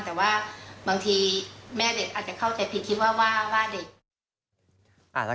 แต่ว่าบางทีแม่เด็กอาจจะเข้าใจผิดคิดว่าเด็ก